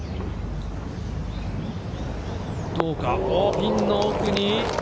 ピンの奥に。